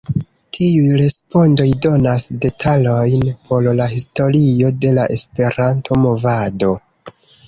Tiuj respondoj donas detalojn por la historio de la Esperanto-movado.